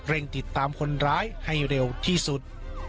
ติดตามคนร้ายให้เร็วที่สุด